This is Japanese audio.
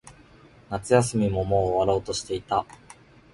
夏休みももう終わろうとしていた。